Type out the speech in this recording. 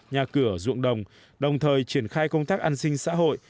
nhà cửa ruộng đồng đồng thời triển khai công tác an sinh xã hội